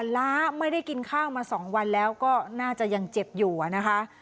ล้าไม่ได้กินข้าวมา๒วันแล้วก็น่าจะยังเจ็บอยู่นะคะ